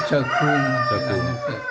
jalan tembus ini petani jagung